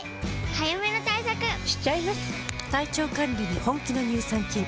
早めの対策しちゃいます。